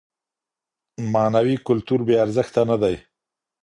معنوي کلتور بې ارزښته نه دی.